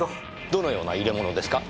どのような入れ物ですか？